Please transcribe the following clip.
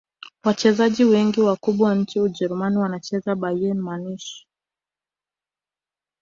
wachezaji wengi wakubwa nchini ujerumani wanacheza bayern munich